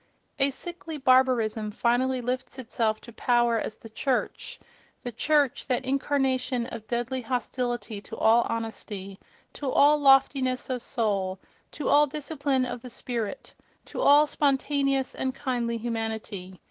A sickly barbarism finally lifts itself to power as the church—the church, that incarnation of deadly hostility to all honesty, to all loftiness of soul, to all discipline of the spirit, to all spontaneous and kindly humanity.